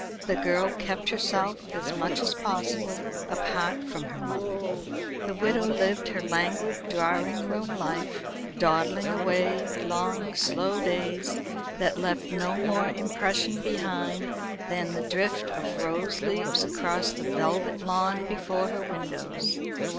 The girl kept herself as much as possible apart from her mother. The widow lived her languid drawing room life, dawdling away long slow days that left no more impression behind them than the drift of rose leaves across the velvet lawn before her windows.